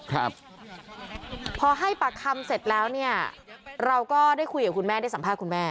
ครับพอให้ปากคำเสร็จแล้วเนี่ยเราก็ได้คุยกับคุณแม่ได้สัมภาษณ์คุณแม่